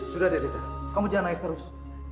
sudah deh lita kamu jangan naik terus